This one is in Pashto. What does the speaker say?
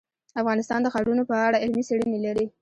افغانستان د ښارونه په اړه علمي څېړنې لري.